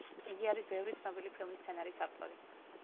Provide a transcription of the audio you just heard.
იგი არის ბევრი ცნობილი ფილმის სცენარის ავტორი.